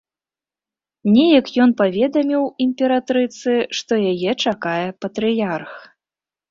Неяк ён паведаміў імператрыцы, што яе чакае патрыярх.